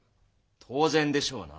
当然でしょうな。